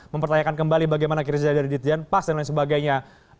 mempertanyakan kembali bagaimana kinerja dari ditjen pas dan lain sebagainya